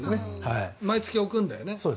毎月置くんだよね。